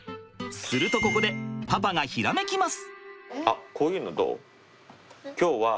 するとここでパパがひらめきます。